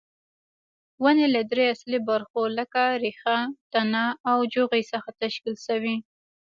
ونې له درې اصلي برخو لکه ریښه، تنه او جوغې څخه تشکیل شوې.